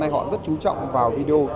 họ rất chú trọng vào video